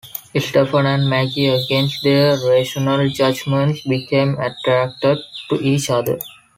Stephen and Maggie, against their rational judgments, become attracted to each other.